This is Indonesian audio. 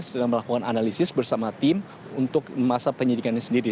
sedang melakukan analisis bersama tim untuk masa penyidikannya sendiri